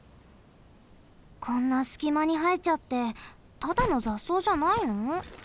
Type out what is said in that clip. こんなすきまにはえちゃってただのざっそうじゃないの？